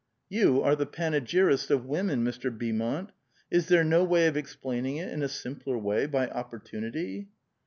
"You are the panegyrist of women, Mr. Beaumont! Is there no way of explaining it in a simpler waj*", by oppor tunity?"